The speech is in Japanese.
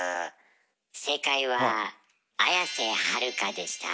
正解は綾瀬はるかでした。